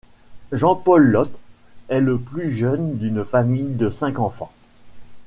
Jean-Paul Loth est le plus jeune d'une famille de cinq enfants.